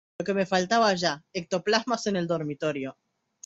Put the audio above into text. lo que me faltaba ya, ectoplasmas en el dormitorio.